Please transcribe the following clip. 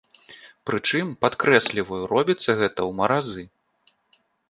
Прычым, падкрэсліваю, робіцца гэта ў маразы.